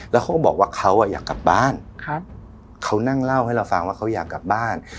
แล้วเขาก็บอกว่าเขาอยากกลับบ้านเขานั่งเล่าให้เราฟังว่าเขาอยากกลับบ้าน